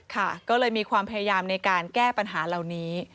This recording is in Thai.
ค่ะก็เลยมีความพยายามในการแก้ปัญหาเหล่านี้